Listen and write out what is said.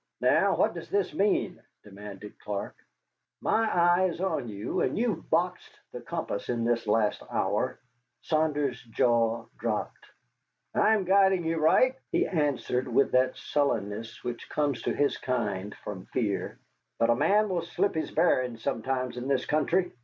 "Now, what does this mean?" demanded Clark; "my eye is on you, and you've boxed the compass in this last hour." Saunders' jaw dropped. "I'm guiding you right," he answered, with that sullenness which comes to his kind from fear, "but a man will slip his bearings sometimes in this country."